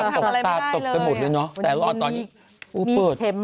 ใกล้หน้าอยู่ตรงหน้าอยู่ทำอะไรไม่ได้เลย